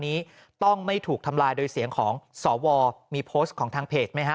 นี้ต้องไม่ถูกทำลายโดยเสียงของสวมีโพสต์ของทางเพจไหมฮะ